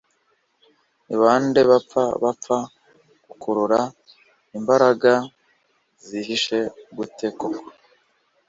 Ni bande bapfa bapfa gukurura imbaraga zihishe gute koko -